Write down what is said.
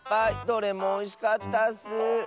どれもおいしかったッス。